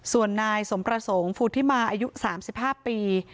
ส่วนนายสมประสงค์พุทธิมาอายุ๓๕ปี